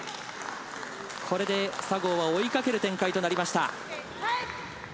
これで佐合は追いかける展開となりました。